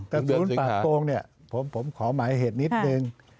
แต่ศูนย์ปราบโกงเนี่ยผมขอหมายเหตุนิดนึง